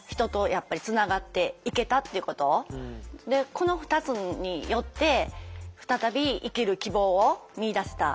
この２つによって再び生きる希望を見いだせた。